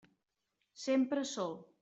Sempre sol.